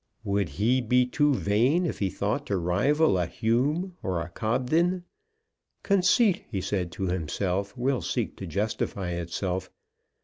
Would he be too vain if he thought to rival a Hume or a Cobden? Conceit, he said to himself, will seek to justify itself.